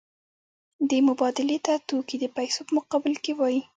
دې مبادلې ته توکي د پیسو په مقابل کې وايي